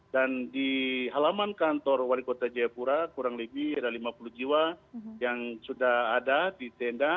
dan di halaman kantor wali kota jayapura kurang lebih ada lima puluh jiwa yang sudah ada di tenda